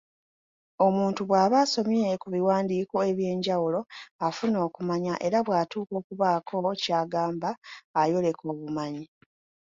Omuntu bw’aba asomye ku biwandiiko eby’enjawulo afuna okumanya era bw’atuuka okubaako ky’agamba eyoleka obumanyi.